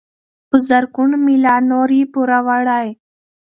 په زرګونو مي لا نور یې پوروړی